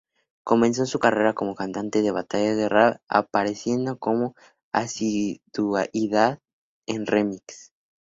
Comenzó su carrera como cantante de batallas de rap apareciendo con asiduidad en 'remix'.